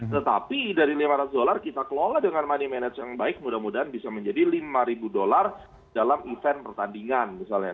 tetapi dari lima ratus dolar kita kelola dengan money manage yang baik mudah mudahan bisa menjadi lima ribu dolar dalam event pertandingan misalnya